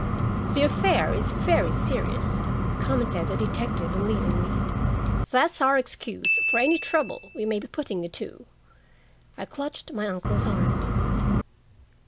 "The affair is very serious," commented the detective on leaving me. "That's our excuse for any trouble we may be putting you to." I clutched my uncle's arm.